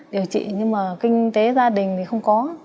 điều trị nhưng mà kinh tế gia đình thì không có